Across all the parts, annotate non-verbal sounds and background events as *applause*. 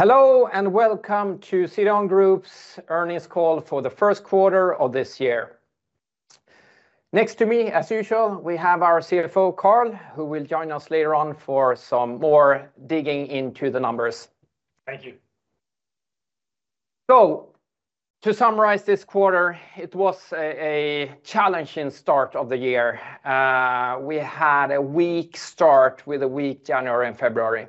Hello and welcome to CDON Group's Earnings Call for the first quarter of this year. Next to me, as usual, we have our CFO, Carl, who will join us later on for some more digging into the numbers. Thank you. To summarize this quarter, it was a challenging start of the year. We had a weak start with a weak January and February.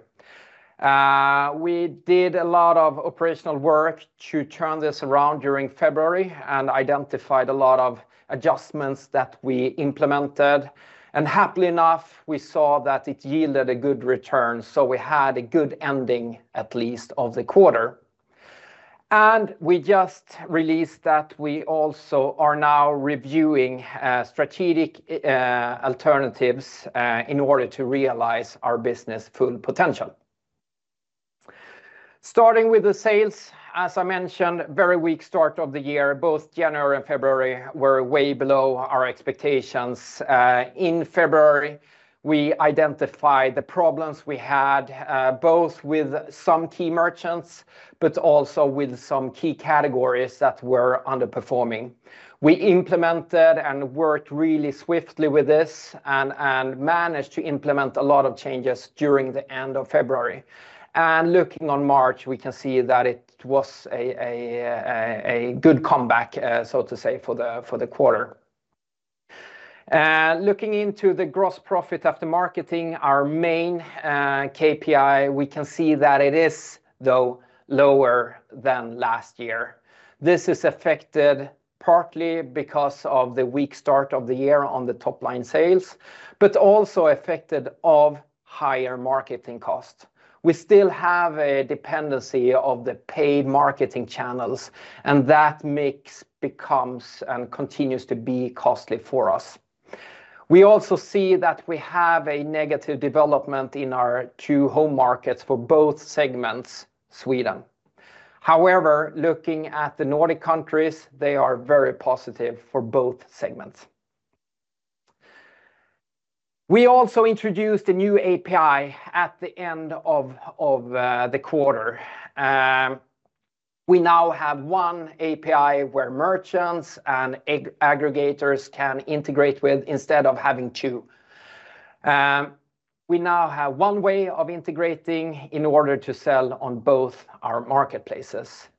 We did a lot of operational work to turn this around during February and identified a lot of adjustments that we implemented. Happily enough, we saw that it yielded a good return. We had a good ending, at least, of the quarter. We just released that we also are now reviewing strategic alternatives in order to realize our business' full potential. Starting with the sales, as I mentioned, very weak start of the year. Both January and February were way below our expectations. In February, we identified the problems we had, both with some key merchants, but also with some key categories that were underperforming. We implemented and worked really swiftly with this and managed to implement a lot of changes during the end of February. Looking on March, we can see that it was a good comeback, so to say, for the quarter. Looking into the gross profit after marketing, our main KPI, we can see that it is, though, lower than last year. This is affected partly because of the weak start of the year on the top-line sales, but also affected by higher marketing costs. We still have a dependency on the paid marketing channels, and that makes, becomes, and continues to be costly for us. We also see that we have a negative development in our two home markets for both segments, Sweden. However, looking at the Nordic countries, they are very positive for both segments. We also introduced a new API at the end of the quarter. We now have one API where merchants and aggregators can integrate with instead of having two. We now have one way of integrating in order to sell on both our marketplaces.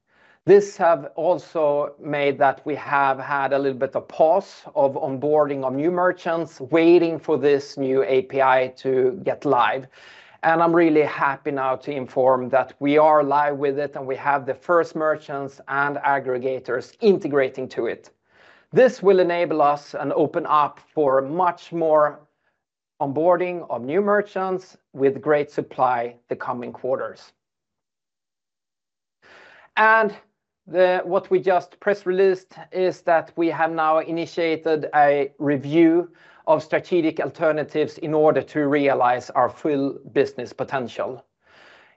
This has also meant that we have had a little bit of a pause of onboarding of new merchants waiting for this new API to get live. I am really happy now to inform that we are live with it and we have the first merchants and aggregators integrating to it. This will enable us and open up for much more onboarding of new merchants with great supply the coming quarters. What we just press released is that we have now initiated a review of strategic alternatives in order to realize our full business potential.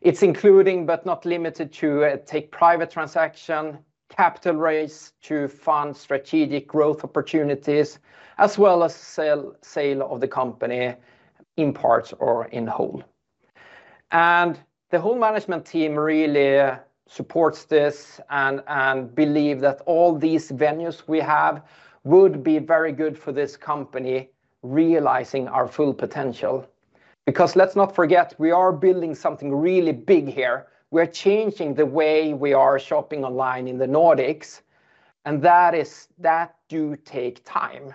It's including, but not limited to, take private transaction, capital raise to fund strategic growth opportunities, as well as sale of the company in part or in whole. The whole management team really supports this and believes that all these venues we have would be very good for this company realizing our full potential. Let's not forget, we are building something really big here. We are changing the way we are shopping online in the Nordics, and that does take time.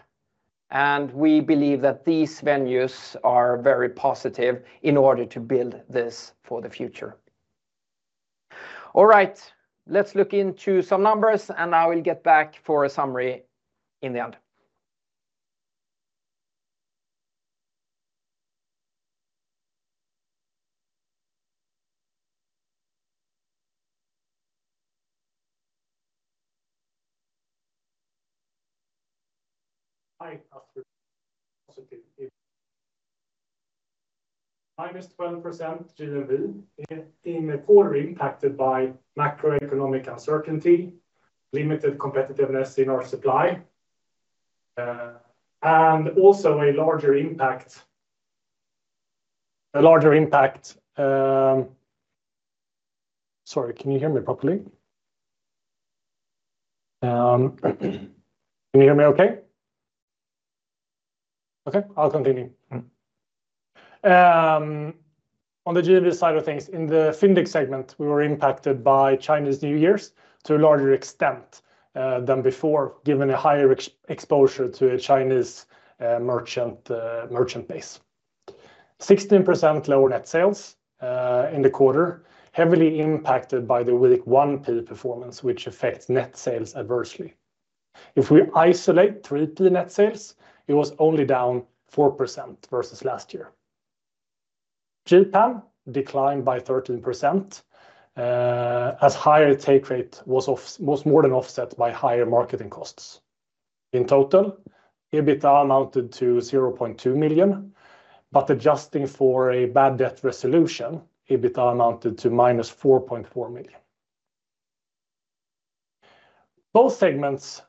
We believe that these venues are very positive in order to build this for the future. All right, let's look into some numbers, and I will get back for a summary in the end. *audio distortion* In the quarter, we were impacted by macroeconomic uncertainty, limited competitiveness in our supply, and also a larger impact. A larger impact. Sorry, can you hear me properly? Can you hear me okay? Okay, I'll continue. On the GMV side of things, in the Fyndiq segment, we were impacted by Chinese New Year's to a larger extent than before, given a higher exposure to a Chinese merchant base. 16% lower net sales in the quarter, heavily impacted by the weak 1P performance, which affects net sales adversely. If we isolate 3P net sales, it was only down 4% versus last year. GPAM declined by 13% as higher take rate was more than offset by higher marketing costs. In total, EBITDA amounted to 0.2 million, but adjusting for a bad debt resolution, EBITDA amounted to minus 4.4 million. Both segments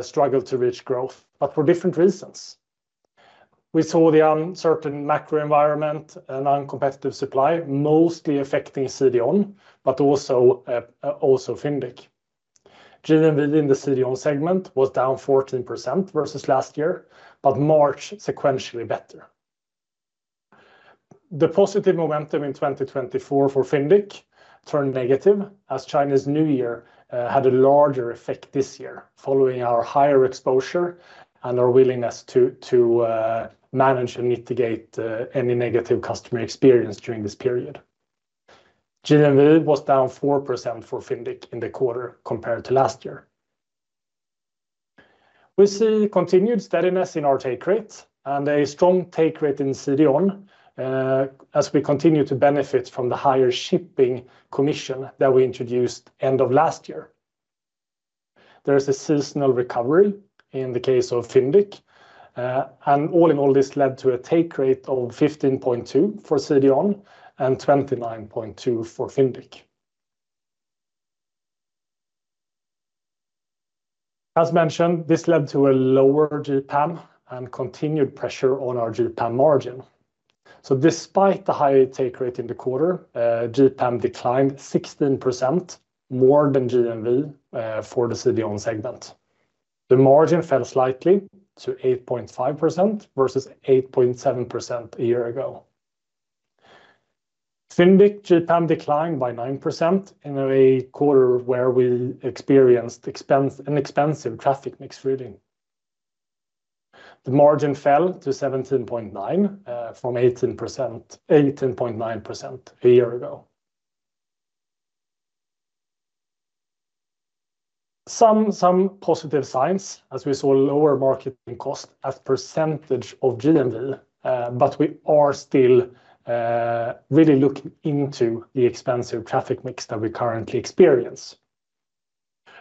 struggled to reach growth, but for different reasons. We saw the uncertain macro environment and uncompetitive supply mostly affecting CDON, but also Fyndiq. GMV in the CDON segment was down 14% versus last year, but March sequentially better. The positive momentum in 2024 for Fyndiq turned negative as Chinese New Year had a larger effect this year following our higher exposure and our willingness to manage and mitigate any negative customer experience during this period. GMV was down 4% for Fyndiq in the quarter compared to last year. We see continued steadiness in our take rate and a strong take rate in CDON as we continue to benefit from the higher shipping commission that we introduced end of last year. There is a seasonal recovery in the case of Fyndiq, and all in all, this led to a take rate of 15.2% for CDON and 29.2% for Fyndiq. As mentioned, this led to a lower GPAM and continued pressure on our GPAM margin. Despite the high take rate in the quarter, GPAM declined 16% more than GMV for the CDON segment. The margin fell slightly to 8.5% versus 8.7% a year ago. Fyndiq GPAM declined by 9% in a quarter where we experienced an expensive traffic mix reading. The margin fell to 17.9% from 18.9% a year ago. Some positive signs, as we saw lower marketing cost as percentage of GMV, but we are still really looking into the expensive traffic mix that we currently experience.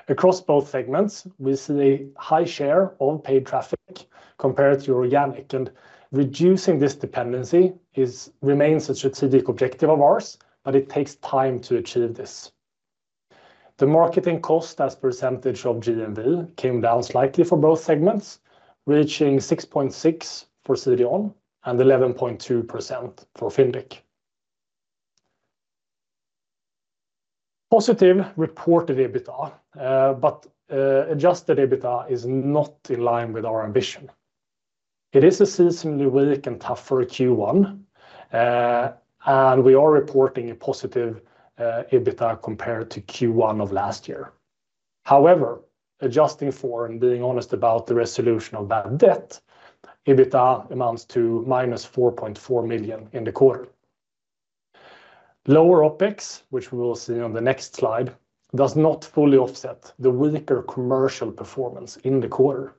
Across both segments, we see a high share of paid traffic compared to organic, and reducing this dependency remains a strategic objective of ours, but it takes time to achieve this. The marketing cost as percentage of GMV came down slightly for both segments, reaching 6.6% for CDON and 11.2% for Fyndiq. Positive reported EBITDA, but adjusted EBITDA is not in line with our ambition. It is a seasonally weak and tougher Q1, and we are reporting a positive EBITDA compared to Q1 of last year. However, adjusting for and being honest about the resolution of bad debt, EBITDA amounts to -4.4 million in the quarter. Lower OpEx, which we will see on the next slide, does not fully offset the weaker commercial performance in the quarter.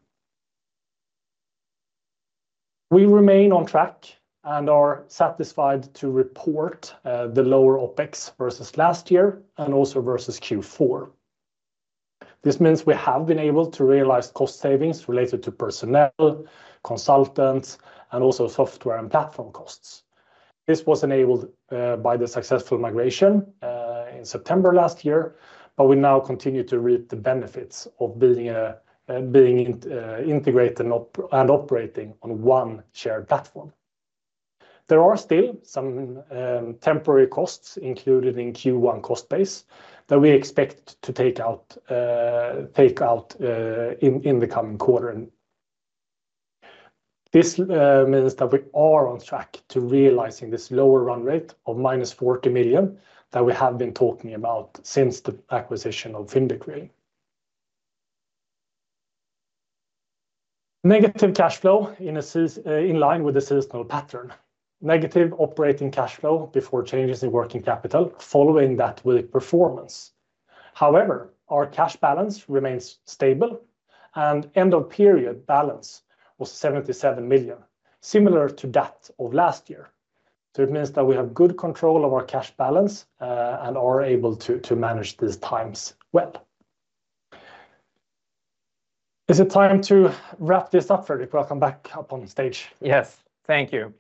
We remain on track and are satisfied to report the lower OpEx versus last year and also versus Q4. This means we have been able to realize cost savings related to personnel, consultants, and also software and platform costs. This was enabled by the successful migration in September last year, but we now continue to reap the benefits of being integrated and operating on one shared platform. There are still some temporary costs included in Q1 cost base that we expect to take out in the coming quarter. This means that we are on track to realizing this lower run rate of minus 40 million that we have been talking about since the acquisition of Fyndiq. Negative cash flow in line with the seasonal pattern. Negative operating cash flow before changes in working capital following that weak performance. However, our cash balance remains stable, and end-of-period balance was 77 million, similar to that of last year. It means that we have good control of our cash balance and are able to manage these times well. Is it time to wrap this up, Fredrik? Welcome back up on stage. Yes, thank you.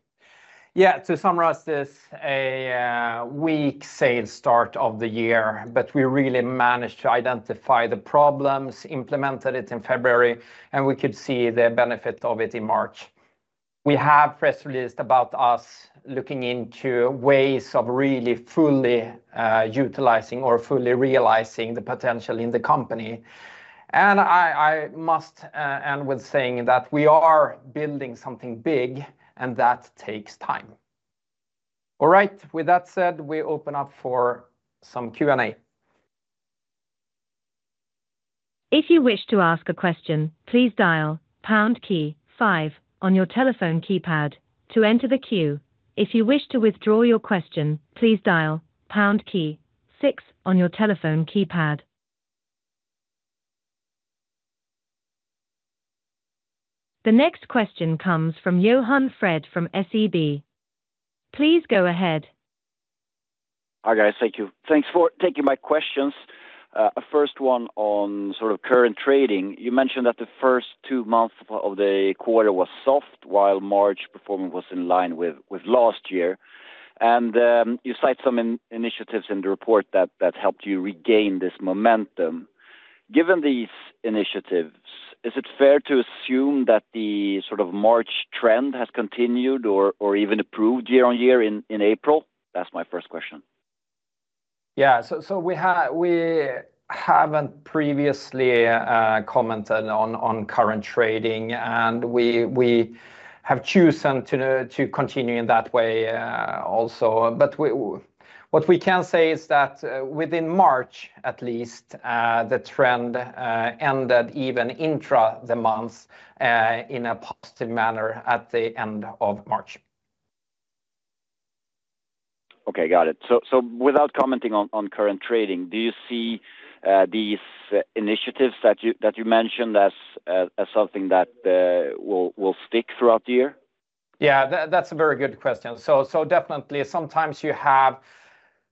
Yeah, to summarize this, a weak sales start of the year, but we really managed to identify the problems, implemented it in February, and we could see the benefit of it in March. We have press released about us looking into ways of really fully utilizing or fully realizing the potential in the company. I must end with saying that we are building something big, and that takes time. All right, with that said, we open up for some Q&A. If you wish to ask a question, please dial pound key five on your telephone keypad to enter the queue. If you wish to withdraw your question, please dial pound key six on your telephone keypad. The next question comes from Johan Fred from SEB. Please go ahead. Hi guys, thank you. Thanks for taking my questions. First one on sort of current trading. You mentioned that the first two months of the quarter were soft, while March performance was in line with last year. You cite some initiatives in the report that helped you regain this momentum. Given these initiatives, is it fair to assume that the sort of March trend has continued or even improved year on year in April? That's my first question. Yeah, we have not previously commented on current trading, and we have chosen to continue in that way also. What we can say is that within March, at least, the trend ended even intra the month in a positive manner at the end of March. Okay, got it. Without commenting on current trading, do you see these initiatives that you mentioned as something that will stick throughout the year? Yeah, that's a very good question. Definitely, sometimes you have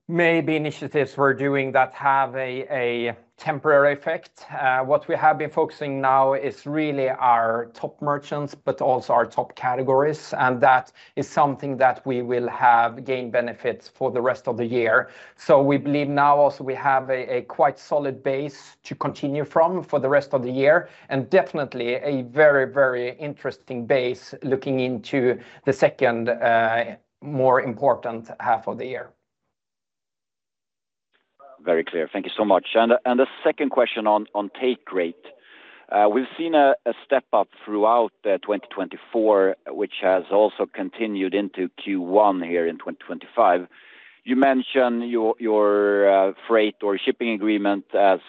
maybe initiatives we're doing that have a temporary effect. What we have been focusing on now is really our top merchants, but also our top categories, and that is something that we will have gained benefits for the rest of the year. We believe now also we have a quite solid base to continue from for the rest of the year, and definitely a very, very interesting base looking into the second more important half of the year. Very clear. Thank you so much. The second question on take rate. We've seen a step up throughout 2024, which has also continued into Q1 here in 2025. You mentioned your freight or shipping agreement as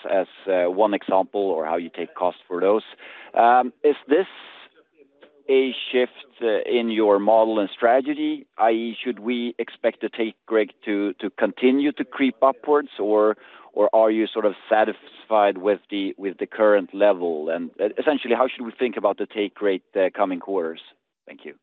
one example or how you take costs for those. Is this a shift in your model and strategy? I.e., should we expect the take rate to continue to creep upwards, or are you sort of satisfied with the current level? Essentially, how should we think about the take rate coming quarters? Thank you.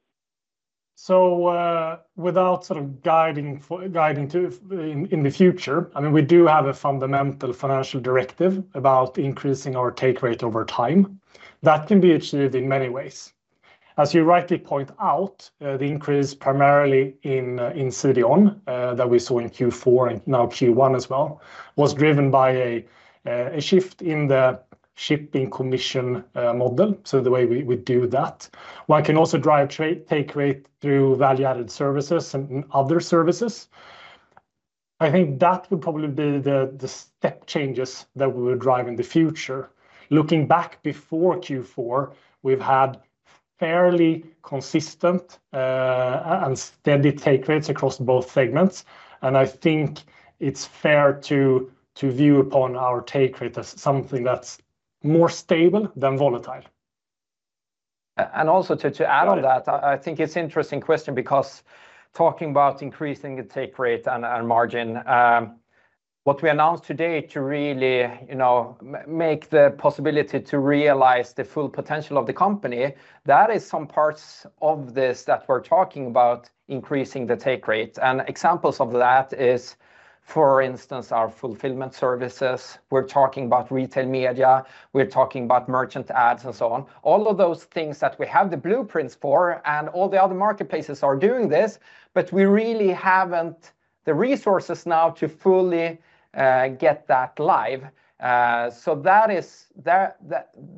Without sort of guiding to in the future, I mean, we do have a fundamental financial directive about increasing our take rate over time. That can be achieved in many ways. As you rightly point out, the increase primarily in CDON that we saw in Q4 and now Q1 as well was driven by a shift in the shipping commission model, so the way we do that. One can also drive take rate through value-added services and other services. I think that would probably be the step changes that we would drive in the future. Looking back before Q4, we've had fairly consistent and steady take rates across both segments, and I think it's fair to view upon our take rate as something that's more stable than volatile. Also, to add on that, I think it's an interesting question because talking about increasing the take rate and margin, what we announced today to really make the possibility to realize the full potential of the company, that is some parts of this that we're talking about increasing the take rate. Examples of that are, for instance, our fulfillment services. We're talking about retail media. We're talking about merchant ads and so on. All of those things that we have the blueprints for, and all the other marketplaces are doing this, but we really haven't the resources now to fully get that live.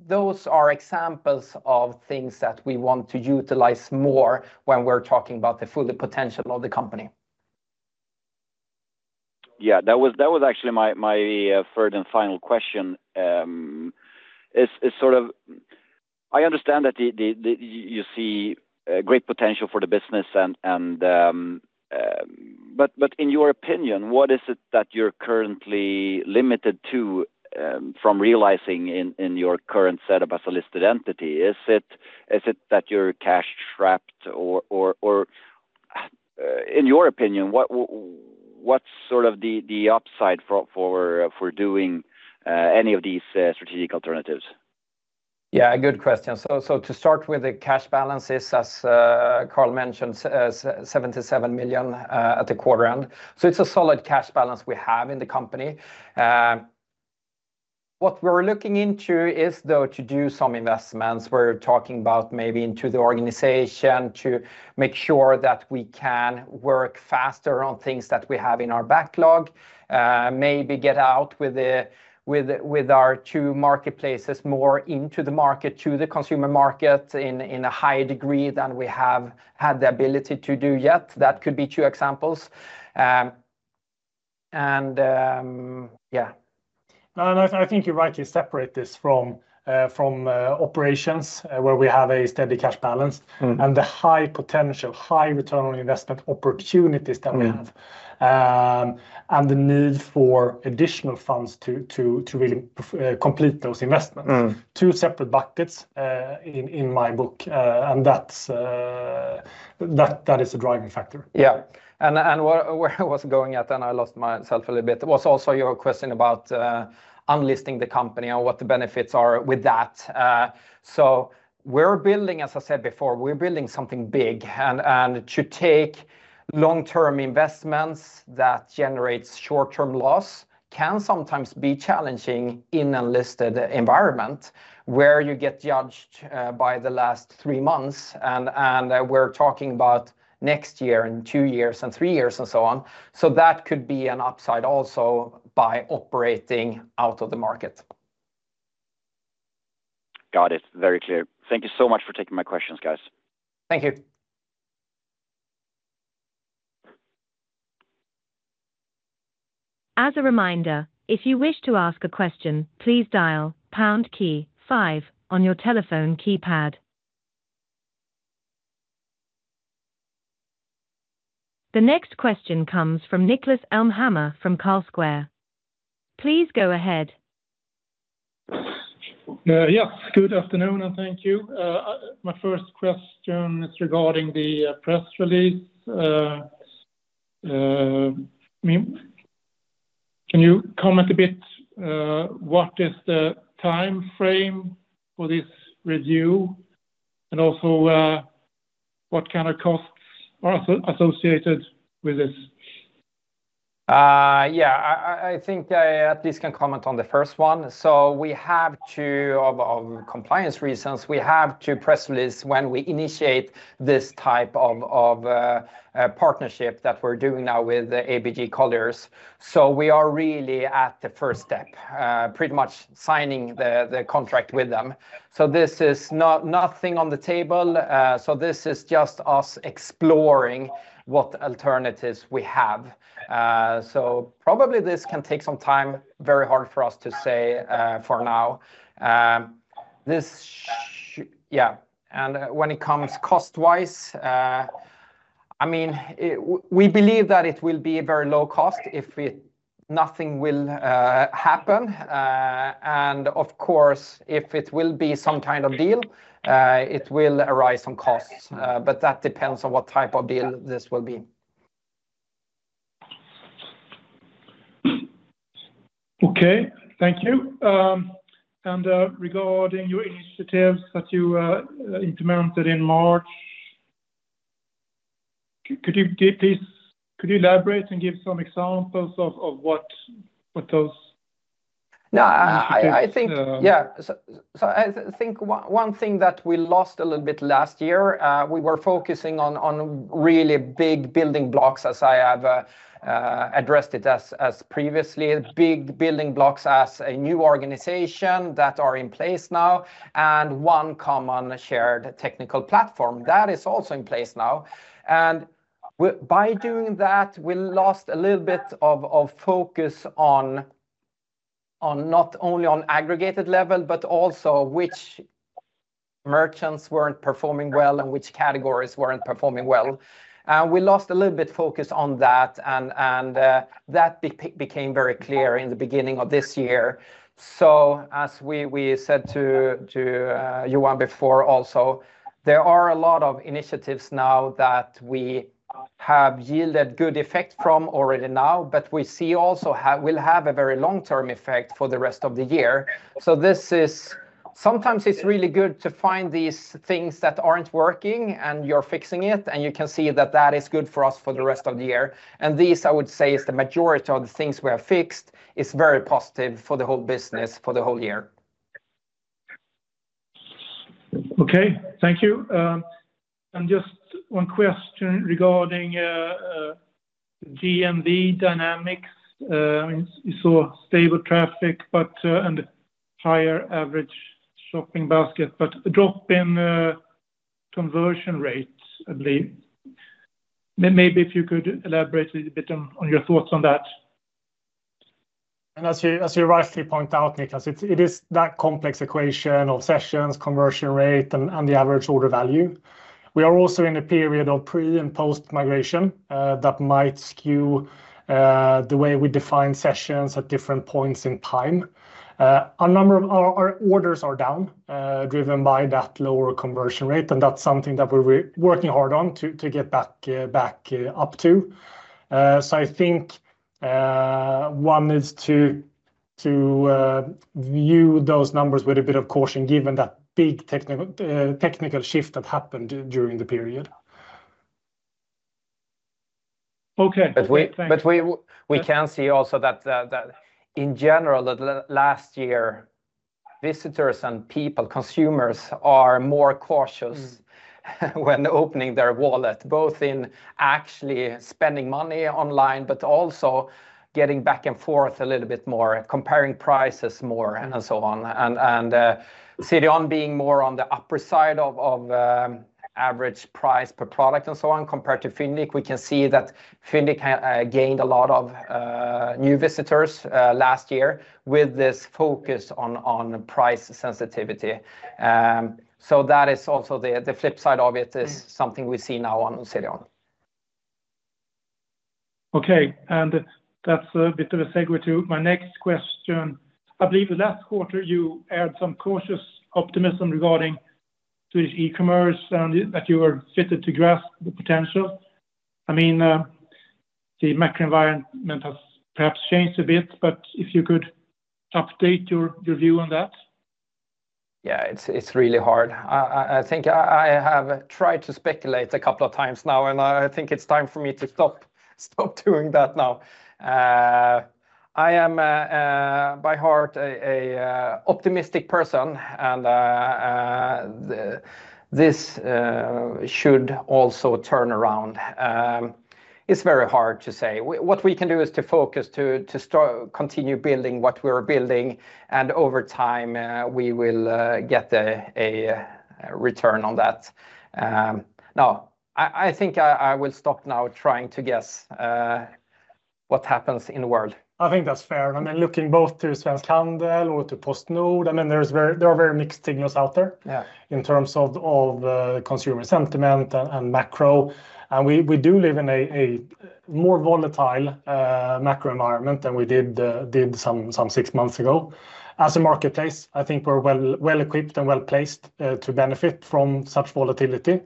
Those are examples of things that we want to utilize more when we're talking about the full potential of the company. Yeah, that was actually my third and final question. It's sort of, I understand that you see great potential for the business, but in your opinion, what is it that you're currently limited to from realizing in your current setup as a listed entity? Is it that you're cash trapped? Or in your opinion, what's sort of the upside for doing any of these strategic alternatives? Yeah, good question. To start with, the cash balance is, as Carl mentioned, 77 million at the quarter end. It is a solid cash balance we have in the company. What we are looking into is, though, to do some investments. We are talking about maybe into the organization to make sure that we can work faster on things that we have in our backlog, maybe get out with our two marketplaces more into the market, to the consumer market in a higher degree than we have had the ability to do yet. That could be two examples. Yeah. No, I think you're right to separate this from operations where we have a steady cash balance and the high potential, high return on investment opportunities that we have and the need for additional funds to really complete those investments. Two separate buckets in my book, and that is a driving factor. Yeah. Where I was going at, and I lost myself a little bit, was also your question about unlisting the company and what the benefits are with that. We are building, as I said before, we are building something big, and to take long-term investments that generate short-term loss can sometimes be challenging in an unlisted environment where you get judged by the last three months, and we are talking about next year and two years and three years and so on. That could be an upside also by operating out of the market. Got it. Very clear. Thank you so much for taking my questions, guys. Thank you. As a reminder, if you wish to ask a question, please dial pound key five on your telephone keypad. The next question comes from Niklas Elmhammer from Carlsquare. Please go ahead. Yeah, good afternoon and thank you. My first question is regarding the press release. Can you comment a bit? What is the timeframe for this review? Also, what kind of costs are associated with this? Yeah, I think I at least can comment on the first one. We have to, for compliance reasons, we have to press release when we initiate this type of partnership that we're doing now with ABG Collier. We are really at the first step, pretty much signing the contract with them. This is nothing on the table. This is just us exploring what alternatives we have. Probably this can take some time, very hard for us to say for now. Yeah. When it comes cost-wise, I mean, we believe that it will be very low cost if nothing will happen. Of course, if it will be some kind of deal, it will arise some costs, but that depends on what type of deal this will be. Okay, thank you. Regarding your initiatives that you implemented in March, could you please elaborate and give some examples of what those? No, I think, yeah. I think one thing that we lost a little bit last year, we were focusing on really big building blocks, as I have addressed it as previously, big building blocks as a new organization that are in place now, and one common shared technical platform that is also in place now. By doing that, we lost a little bit of focus not only on aggregated level, but also which merchants were not performing well and which categories were not performing well. We lost a little bit of focus on that, and that became very clear in the beginning of this year. As we said to Johan before, also, there are a lot of initiatives now that we have yielded good effect from already now, but we see also will have a very long-term effect for the rest of the year. It is sometimes really good to find these things that aren't working and you're fixing it, and you can see that that is good for us for the rest of the year. These, I would say, the majority of the things we have fixed is very positive for the whole business for the whole year. Okay, thank you. Just one question regarding GMV dynamics. You saw stable traffic, but higher average shopping basket, but drop in conversion rate, I believe. Maybe if you could elaborate a little bit on your thoughts on that. As you rightly point out, Niklas, it is that complex equation of sessions, conversion rate, and the average order value. We are also in a period of pre and post-migration that might skew the way we define sessions at different points in time. A number of our orders are down driven by that lower conversion rate, and that's something that we're working hard on to get back up to. I think one needs to view those numbers with a bit of caution given that big technical shift that happened during the period. Okay. We can see also that in general, last year, visitors and people, consumers are more cautious when opening their wallet, both in actually spending money online, but also getting back and forth a little bit more, comparing prices more and so on. CDON being more on the upper side of average price per product and so on compared to Fyndiq, we can see that Fyndiq gained a lot of new visitors last year with this focus on price sensitivity. That is also the flip side of it, it is something we see now on CDON. Okay, and that's a bit of a segue to my next question. I believe the last quarter you had some cautious optimism regarding Swedish e-commerce and that you were fitted to grasp the potential. I mean, the macro environment has perhaps changed a bit, but if you could update your view on that. Yeah, it's really hard. I think I have tried to speculate a couple of times now, and I think it's time for me to stop doing that now. I am by heart an optimistic person, and this should also turn around. It's very hard to say. What we can do is to focus to continue building what we are building, and over time we will get a return on that. Now, I think I will stop now trying to guess what happens in the world. I think that's fair. I mean, looking both through Svensk Handel or to PostNord, I mean, there are very mixed signals out there in terms of consumer sentiment and macro. We do live in a more volatile macro environment than we did some six months ago. As a marketplace, I think we're well equipped and well placed to benefit from such volatility.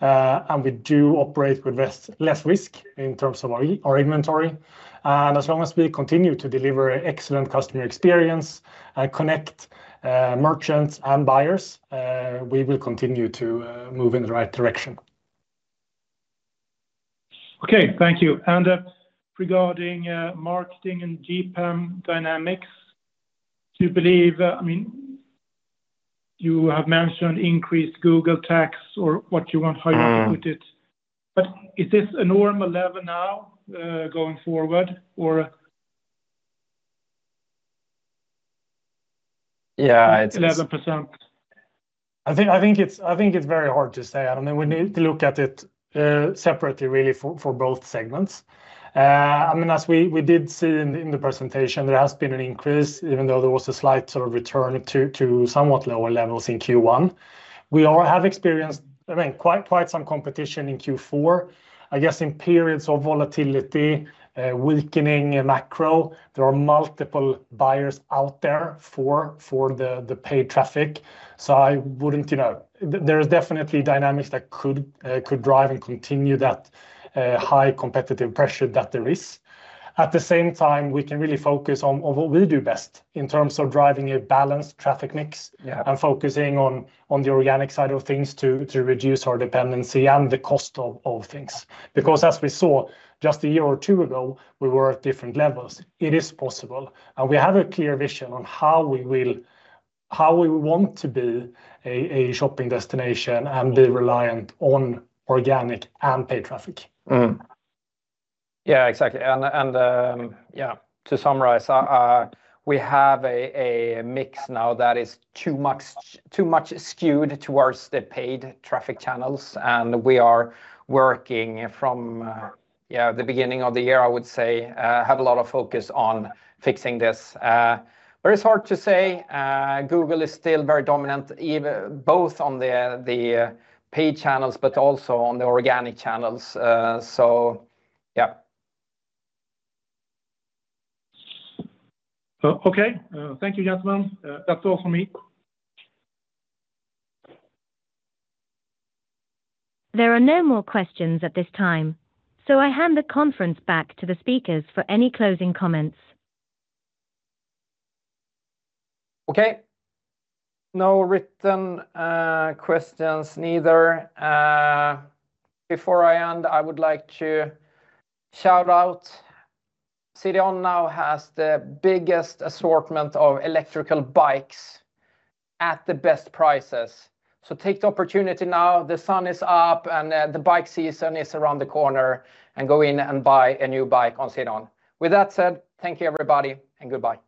We do operate with less risk in terms of our inventory. As long as we continue to deliver excellent customer experience and connect merchants and buyers, we will continue to move in the right direction. Okay, thank you. Regarding marketing and GPAM dynamics, do you believe, I mean, you have mentioned increased Google tax or what you want higher with it, but is this a normal level now going forward? Yeah. 11%. I think it's very hard to say. I mean, we need to look at it separately really for both segments. I mean, as we did see in the presentation, there has been an increase even though there was a slight sort of return to somewhat lower levels in Q1. We have experienced, I mean, quite some competition in Q4. I guess in periods of volatility, weakening macro, there are multiple buyers out there for the paid traffic. You know, there is definitely dynamics that could drive and continue that high competitive pressure that there is. At the same time, we can really focus on what we do best in terms of driving a balanced traffic mix and focusing on the organic side of things to reduce our dependency and the cost of things. Because as we saw just a year or two ago, we were at different levels. It is possible. We have a clear vision on how we will, how we want to be a shopping destination and be reliant on organic and paid traffic. Yeah, exactly. To summarize, we have a mix now that is too much skewed towards the paid traffic channels. We are working from the beginning of the year, I would say, had a lot of focus on fixing this. It is hard to say. Google is still very dominant both on the paid channels and also on the organic channels. Yeah. Okay, thank you, gentlemen. That's all from me. There are no more questions at this time. I hand the conference back to the speakers for any closing comments. Okay. No written questions neither. Before I end, I would like to shout out CDON now has the biggest assortment of electrical bikes at the best prices. Take the opportunity now. The sun is up and the bike season is around the corner. Go in and buy a new bike on CDON. With that said, thank you everybody and goodbye.